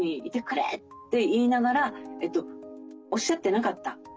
「いてくれ」って言いながらおっしゃってなかった。